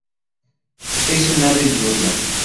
Es un ave diurna.